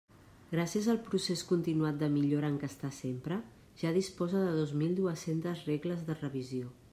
Gràcies al procés continuat de millora en què està sempre, ja disposa de dos mil dues-centes regles de revisió.